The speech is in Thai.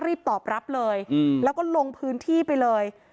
ตอบรับเลยแล้วก็ลงพื้นที่ไปเลย